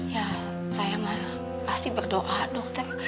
ya saya mah pasti berdoa dokter